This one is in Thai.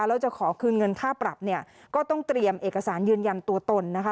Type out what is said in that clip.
แล้วจะขอคืนเงินค่าปรับเนี่ยก็ต้องเตรียมเอกสารยืนยันตัวตนนะคะ